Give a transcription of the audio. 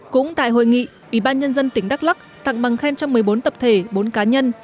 cũng tại hội nghị ủy ban nhân dân tỉnh đắk lắc tặng bằng khen cho một mươi bốn tập thể bốn cá nhân